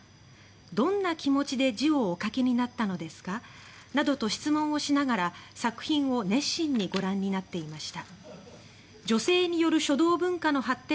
どんな気持ちで字をお書きになったのですかなどと質問をしながら作品を熱心にご覧になっていました。